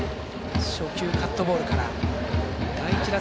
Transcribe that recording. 初球、カットボールから。